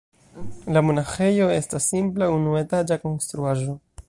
La monaĥejo estas simpla unuetaĝa konstruaĵo.